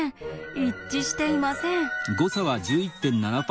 一致していません。